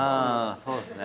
そうですね。